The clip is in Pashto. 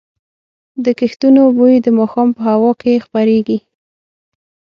د کښتونو بوی د ماښام په هوا کې خپرېږي.